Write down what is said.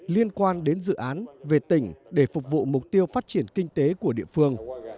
liên quan đến dự án về tỉnh để phục vụ mục tiêu phát triển kinh tế của địa phương